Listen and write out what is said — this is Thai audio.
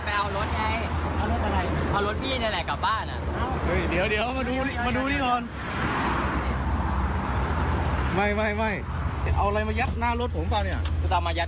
อ้าวเหรอรถรถรถรถ